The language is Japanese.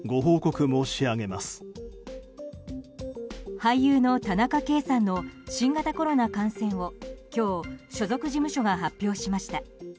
俳優の田中圭さんの新型コロナ感染を今日、所属事務所が発表しました。